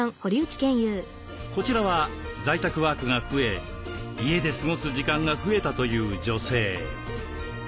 こちらは在宅ワークが増え家で過ごす時間が増えたという女性。